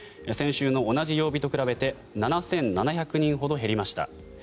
先週の同じ曜日と比べて７７００人ほど減りました。